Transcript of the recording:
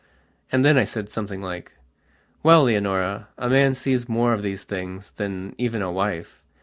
And then I said something like: "Well, Leonora, a man sees more of these things than even a wife.